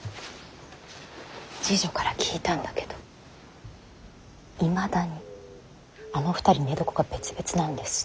侍女から聞いたんだけどいまだにあの２人寝床が別々なんですって。